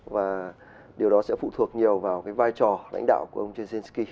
và điều đó sẽ phụ thuộc nhiều vào cái vai trò lãnh đạo của ông zelenskyy